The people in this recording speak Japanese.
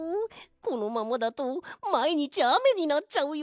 このままだとまいにちあめになっちゃうよ。